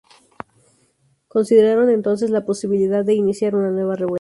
Consideraron entonces la posibilidad de iniciar una nueva revuelta.